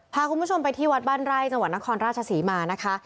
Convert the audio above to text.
พาคุณผู้ชมไปที่วัดบ้านไร่จังหวัดนครราชศรีมานะคะ